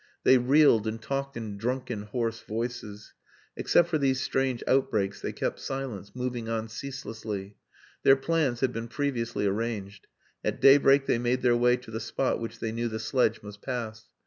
They reeled and talked in drunken hoarse voices. Except for these strange outbreaks they kept silence, moving on ceaselessly. Their plans had been previously arranged. At daybreak they made their way to the spot which they knew the sledge must pass.